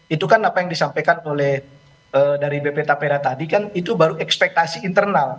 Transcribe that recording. itu kan apa yang disampaikan oleh dari bp tapera tadi kan itu baru ekspektasi internal